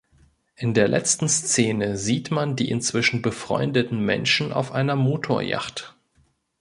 In der letzten Szene sieht man die inzwischen befreundeten Menschen auf einer Motoryacht.